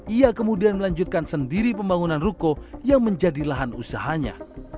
ia kemudian melanjutkan sendiri pembangunan ruko yang menjadi lahan usahanya